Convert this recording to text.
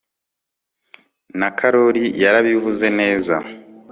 na karori yarabivuze neza